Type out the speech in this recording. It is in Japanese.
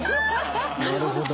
なるほど。